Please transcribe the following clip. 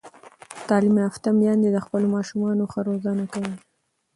تعلیم یافته میندې د خپلو ماشومانو ښه روزنه کوي.